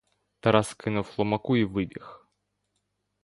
Тарас кинув ломаку й вибіг.